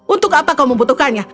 untuk apa kau membutuhkannya